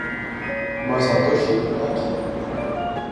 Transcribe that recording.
Masatoshi Aki